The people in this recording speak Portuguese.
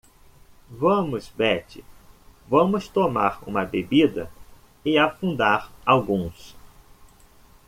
Vamos Betty? vamos tomar uma bebida e afundar alguns.